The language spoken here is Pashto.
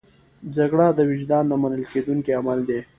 جګړه د وجدان نه منل کېدونکی عمل دی